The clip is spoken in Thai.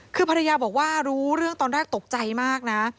คือภรรยาบอกว่ารู้เรื่องตอนแรกตกใจมากนะ